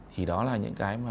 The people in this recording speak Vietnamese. thì đó là những cái mà